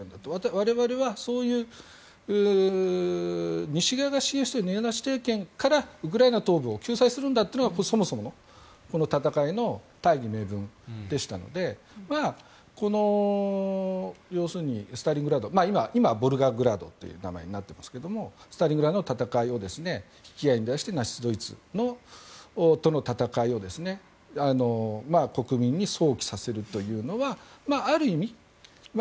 我々はそういう西側が支援するネオナチ政権からウクライナ東部を救済するんだというのがそもそものこの戦いの大義名分でしたのでこのスターリングラード今はボルガグラードという名前になっていますがスターリングラードの戦いを引き合いに出してナチス・ドイツとの戦いを国民に想起させるというのはある意味